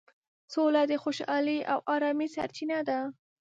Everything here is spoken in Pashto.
سوله د خوشحالۍ او ارامۍ سرچینه ده.